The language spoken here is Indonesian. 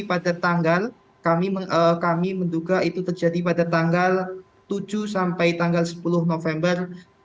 pada tanggal kami menduga itu terjadi pada tanggal tujuh sampai tanggal sepuluh november dua ribu dua puluh